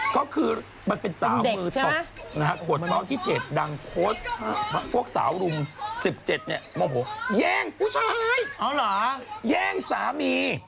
ก็คือมันเป็นสาวมือตบนะฮะขวดเมาส์ที่เพจดังโพสต์พวกสาวรุม๑๗เนี่ยโมโหแย่งผู้ชายแย่งสามี